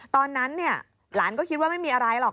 ตอนนั้นหลานก็คิดว่าไม่มีอะไรหรอก